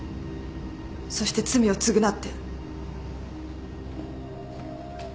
そして罪を償って。